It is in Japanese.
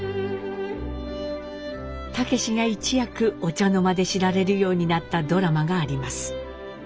武司が一躍お茶の間で知られるようになったドラマがあります。